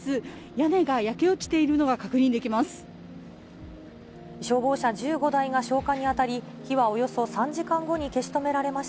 屋根が焼け落ちているのが確認できます。